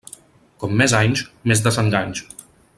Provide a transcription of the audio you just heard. Com més anys, més desenganys.